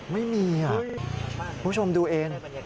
ไม่มีคุณผู้ชมดูเอง